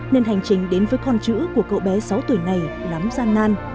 nên hành trình đến với con chữ của cậu bé sáu tuổi này lắm gian nan